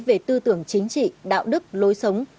về tư tưởng chính trị đạo đức lối sống